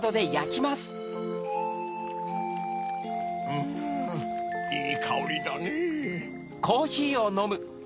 うんいいかおりだねぇ。